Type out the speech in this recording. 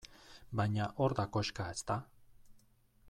Baina hor da koxka, ezta?